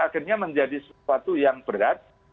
akhirnya menjadi sesuatu yang berat